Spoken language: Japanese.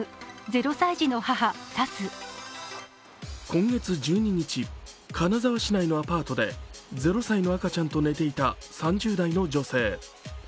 今月１２日、金沢市内のアパートで０歳の赤ちゃんと寝ていた３０代の女性。